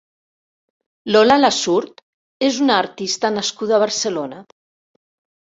Lola Lasurt és una artista nascuda a Barcelona.